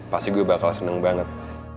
pasti gue bakal seneng banget